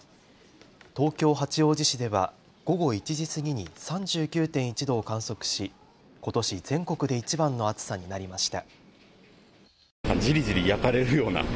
東京八王子市では午後１時過ぎに３９．１度を観測しことし全国でいちばんの暑さになりました。